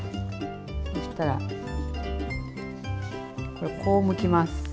そしたらこれこうむきます。